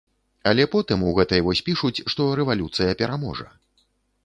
Але потым у гэтай вось пішуць, што рэвалюцыя пераможа.